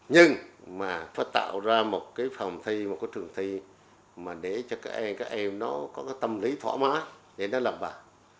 nhưng mà phải tạo ra một cái phòng thi một cái trường thi để cho các em có tâm lý thoải mái để nó làm bảo